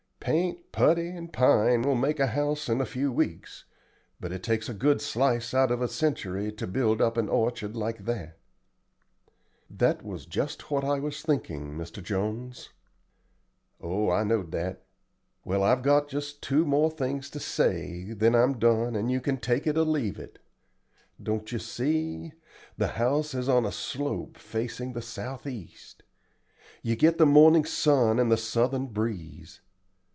"Paint, putty, and pine will make a house in a few weeks, but it takes a good slice out of a century to build up an orchard like that." "That was just what I was thinking, Mr. Jones." "Oh, I knowed that. Well, I've got just two more things to say, then I'm done and you can take it or leave it. Don't you see? The house is on a slope facing the south east. You get the morning sun and the southern breeze.